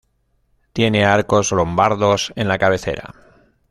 Tiene arcos lombardos en la cabecera.